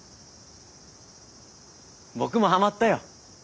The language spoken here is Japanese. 僕もハマったよ。